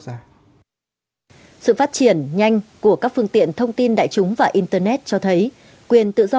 sự phát triển nhanh của các phương tiện thông tin đại chúng và internet cho thấy quyền tự do